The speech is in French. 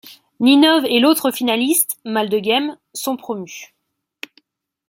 Ninove et l'autre finaliste, Maldegem sont promus.